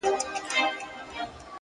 حوصله د اوږدو لارو ملګرې ده!